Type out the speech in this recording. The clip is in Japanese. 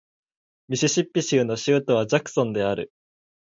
ミシシッピ州の州都はジャクソンである